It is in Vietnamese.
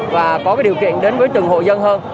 và có cái điều kiện đến với từng hội dân hơn